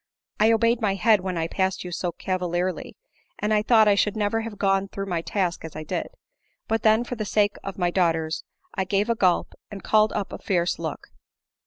I obeyed my head when I passed you so cavalierly, and I thought I should never have gone, through my task as I did ; but then for the sake of my daughters, I gave a gulp, and called up a fierce look.